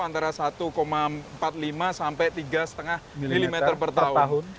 antara satu empat puluh lima sampai tiga lima mm per tahun